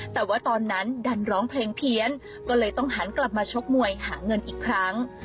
แต่ว่าตอนนั้นดันร้องเพลงเพี้ยนก็เลยต้องหันกลับมาชกมวยหาเงินอีกครั้ง